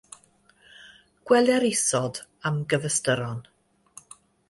Gweler isod am gyfystyron.